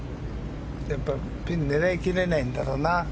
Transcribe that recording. ピン狙い切れないんだろうな。